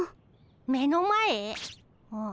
目の前？